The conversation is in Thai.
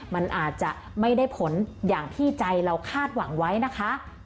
มันอาจจะไม่ได้ผลอย่างที่ใจเราคาดหวังไว้นะคะ